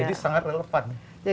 jadi sangat relevan